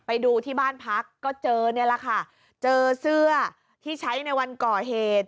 ไปดูที่บ้านพักก็เจอนี่แหละค่ะเจอเสื้อที่ใช้ในวันก่อเหตุ